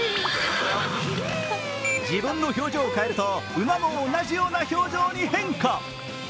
自分の表情を変えると馬も同じような表情に変化。